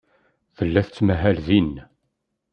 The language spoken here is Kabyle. Tella tettmahal din.